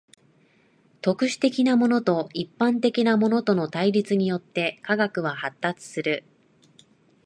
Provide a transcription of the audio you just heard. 特殊的なものと一般的なものとの対立によって科学は発達する。